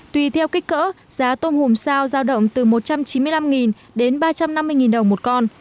tùy theo kích cỡ giá tôm hùm sao giao động từ một trăm chín mươi năm đến ba trăm năm mươi đồng một con